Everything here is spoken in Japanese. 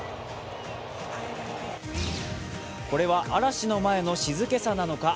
これは嵐の前の静けさなのか？